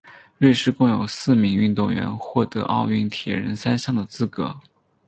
瑞士共有四名运动员获得奥运铁人三项的资格。